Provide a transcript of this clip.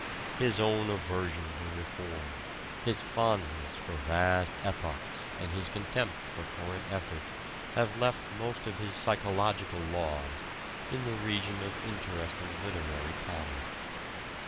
His own aversion to reform, his fondness for vast epochs and his contempt for current effort have left most of his "psychological laws" in the region of interesting literary comment.